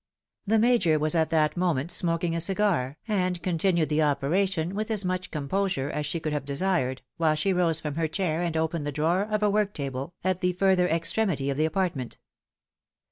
The Major was at that moment smoking a cigar, and continued the operation with as much composure as she could have desired, while she rose from her chair and opened the drawer of a work table at the further extremity of the apart ment.